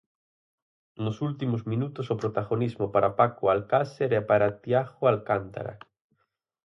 Nos últimos minutos o protagonismo para Paco Alcácer e para Tiago Alcántara.